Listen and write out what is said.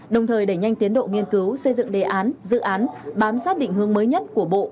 đồng thời đẩy nhanh tiến độ nghiên cứu xây dựng đề án dự án bám sát định hướng mới nhất của bộ